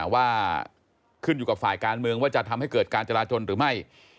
ว่าขึ้นอยู่กับฝ่ายการเมืองว่าจะทำให้เกิดการจราจนหรือไม่